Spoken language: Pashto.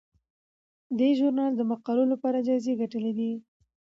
دې ژورنال د مقالو لپاره جایزې ګټلي دي.